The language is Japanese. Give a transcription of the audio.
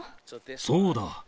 そうだ。